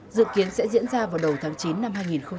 dự kiến sẽ diễn ra vào đầu tháng chín năm hai nghìn hai mươi